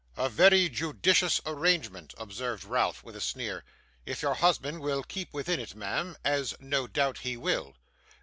'A very judicious arrangement,' observed Ralph with a sneer, 'if your husband will keep within it, ma'am as no doubt he will.